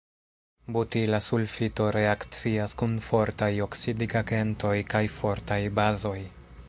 Butila sulfito reakcias kun fortaj oksidigagentoj kaj fortaj bazoj.